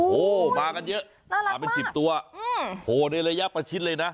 โอ้โหมากันเยอะมาเป็น๑๐ตัวโหในระยะประชิดเลยนะ